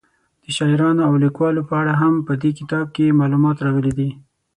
د شاعرانو او لیکوالو په اړه هم په دې کتاب کې معلومات راغلي دي.